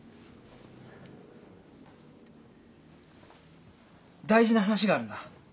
大事な話があるんだ。